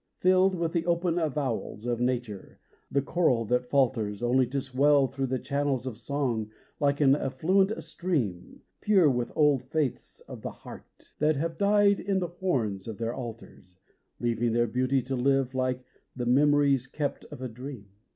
Filled with the open avowals of nature, the choral that falters Only to swell thro' the channels of song like an affluent stream, Pure with old faiths of the heart that have died in the horns of their altars, Leaving their beauty to live like the memories kept of a dream.